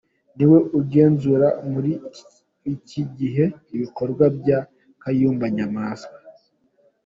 Niwe ugenzura muri iki gihe ibikorwa bya Kayumba Nyamwasa.